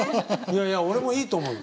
いやいや俺もいいと思う。